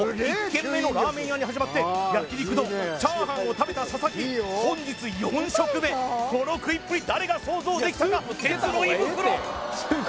１軒目のラーメン屋に始まって焼肉丼チャーハンを食べた佐々木本日４食目この食いっぷり誰が想像できたか鉄の胃袋！